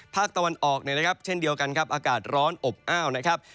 ภาคตะวันออกเนี่ยนะครับเช่นเดียวกันครับอากาศร้อนอบอ้าวนะครับ